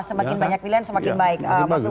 semakin banyak pilihan semakin baik